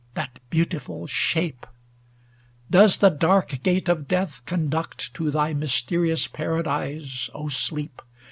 That beautiful shape ! Does the dark gate of death CoJiduct to thy mysterious paradise, O Sleep